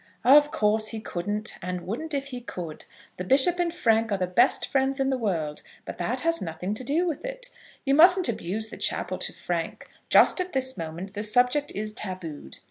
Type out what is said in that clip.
"Of course, he couldn't, and wouldn't if he could. The bishop and Frank are the best friends in the world. But that has nothing to do with it. You mustn't abuse the chapel to Frank; just at this moment the subject is tabooed.